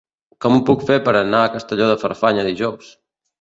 Com ho puc fer per anar a Castelló de Farfanya dijous?